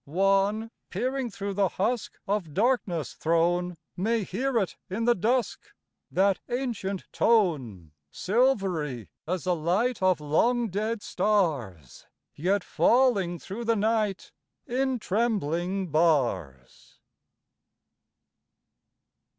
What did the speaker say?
One peering through the husk Of darkness thrown May hear it in the dusk That ancient tone, Silvery as the light Of long dead stars Yet falling through the night In trembling bars.